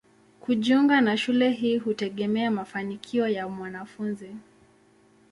Kujiunga na shule hii hutegemea mafanikio ya mwanafunzi.